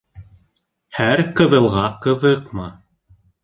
Һәр ҡыҙылға ҡыҙыҡма.